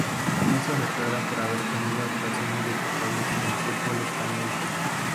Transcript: No se recuerda por haber tenido actuaciones destacables en el fútbol español.